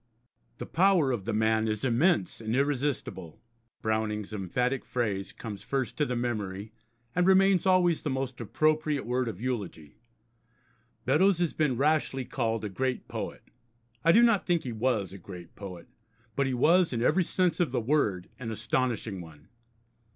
'The power of the man is immense and irresistible.' Browning's emphatic phrase comes first to the memory, and remains always the most appropriate word of eulogy. Beddoes has been rashly called a great poet. I do not think he was a great poet, but he was, in every sense of the word, an astonishing one.